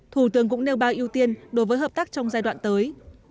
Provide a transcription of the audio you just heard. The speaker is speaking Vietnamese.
thủ tướng cũng nêu bao ưu tiên đối với hợp tác trong giai đoạn tới